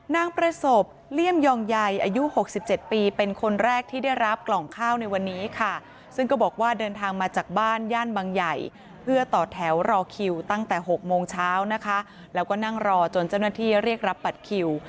นางประสบเลี่ยมยองใยอายุ๖๗ปีเป็นคนแรกที่ได้รับกล่องข้าวในวันนี้ค่ะซึ่งก็บอกว่าเดินทางมาจากบ้านย่านบางใหญ่เพื่อต่อแถวรอคิวตั้งแต่๖โมงเช้านะคะแล้วก็นั่งรอจนเจ้าหน้าที่เรียกรับบัตรคิว